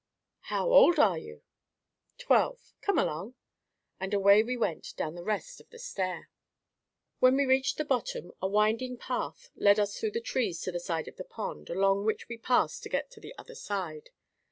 "How old are you?" "Twelve. Come along." And away we went down the rest of the stair. When we reached the bottom, a winding path led us through the trees to the side of the pond, along which we passed to get to the other side.